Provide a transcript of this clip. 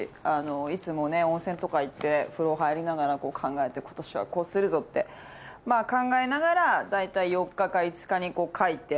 いつも温泉とか行って風呂入りながら考えて今年はこうするぞって考えながら大体４日か５日に書いて。